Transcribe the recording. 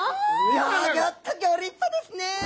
ギョギョッとギョ立派ですね。